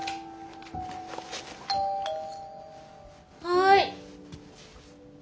はい。